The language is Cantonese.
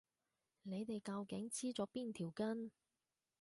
你哋究竟黐咗邊條筋？